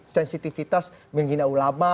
sensitivitas menghina ulama